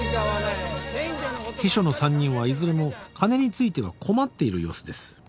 「秘書の３人はいずれも金については困っている様子です」